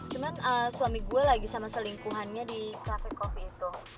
cuman suami gue lagi sama selingkuhannya di cafe coffee itu